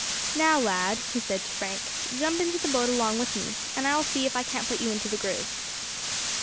"Now, lad," he said to Frank, "jump into the boat along with me, and I will see if I can't put you into the groove."